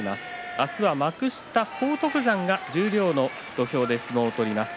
明日は幕下の荒篤山が十両の土俵で相撲を取ります。